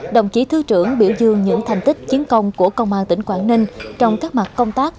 đồng chí thứ trưởng biểu dương những thành tích chiến công của công an tỉnh quảng ninh trong các mặt công tác